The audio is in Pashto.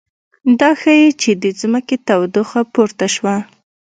دا ښيي چې د ځمکې تودوخه پورته شوه